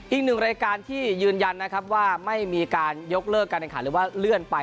อีกหนึ่งรายการที่ยืนยันนะครับว่าไม่มีการยกเลิกการแข่งขันหรือว่าเลื่อนไป